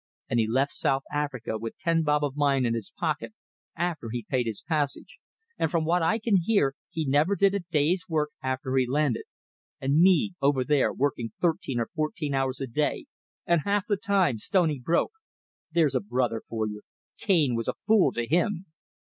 And he left South Africa with ten bob of mine in his pocket, after he'd paid his passage! and from what I can hear, he never did a day's work after he landed. And me over there working thirteen and fourteen hours a day, and half the time stony broke! There's a brother for you! Cain was a fool to him!"